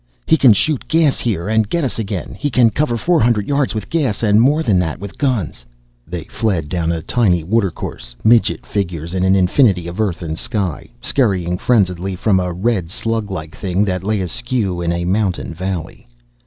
"He can shoot gas here and get us again! He can cover four hundred yards with gas, and more than that with guns." They fled down a tiny water course, midget figures in an infinity of earth and sky, scurrying frenziedly from a red slug like thing that lay askew in a mountain valley.